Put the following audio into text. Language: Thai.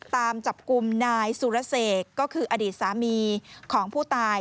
ตามจับกลุ่มนายสุรเสกก็คืออดีตสามีของผู้ตาย